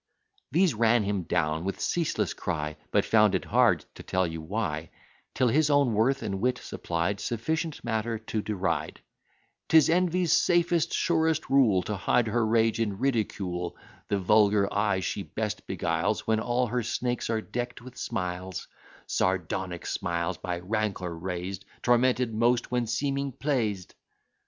These ran him down with ceaseless cry, But found it hard to tell you why, Till his own worth and wit supplied Sufficient matter to deride: "'Tis envy's safest, surest rule, To hide her rage in ridicule: The vulgar eye she best beguiles, When all her snakes are deck'd with smiles: Sardonic smiles, by rancour raised! Tormented most when seeming pleased!"